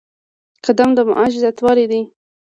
قدم د معاش زیاتوالی دی